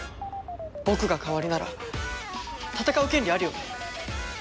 僕が代わりなら戦う権利あるよね？